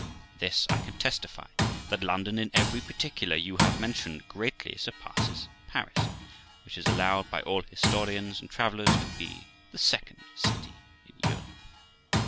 And this I can testify, that London, in every particular you have mentioned, greatly surpasses Paris, which is allowed by all historians and travellers to be the second city in Europe.'